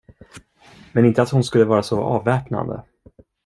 Men inte att hon skulle vara så avväpnande.